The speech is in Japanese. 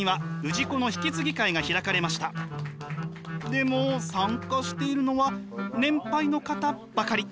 でも参加しているのは年配の方ばかり。